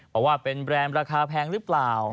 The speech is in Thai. บอกว่าเป็นแบรนด์ราคาแพงหรือเปล่า